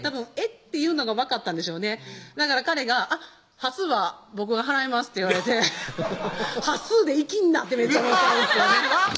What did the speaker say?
っていうのが分かったんでしょうねだから彼が「端数は僕が払います」と言われて端数でイキんなってめっちゃ思ったんですよね